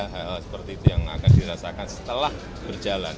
hal hal seperti itu yang akan dirasakan setelah berjalan